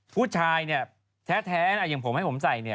ผู้วุชานนี่แท้อย่างผมให้มันใส่เนีย